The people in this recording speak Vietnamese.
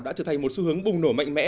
đã trở thành một xu hướng bùng nổ mạnh mẽ